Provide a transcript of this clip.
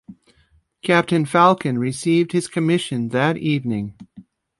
Captain Falcon received his commission that evening.